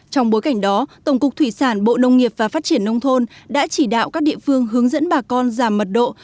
trong bối cảnh đó tổng cục thủy sản bộ nông nghiệp và phát triển nông thôn đã chỉ đạo các địa phương hướng dẫn bà con giảm mật độ